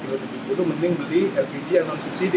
itu mending beli rpg yang non subsidi